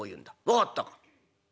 分かったか？」。